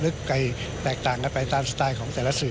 เลืกใกล้แตกต่างข้างตามสไตล์ของแต่ตัวสื่อ